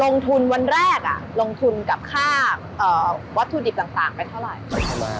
ลงทุนวันแรกลงทุนกับค่าวัตถุดิบต่างไปเท่าไหร่